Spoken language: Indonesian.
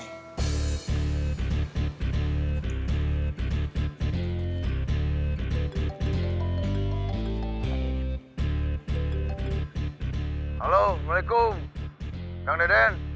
halo assalamualaikum kang deden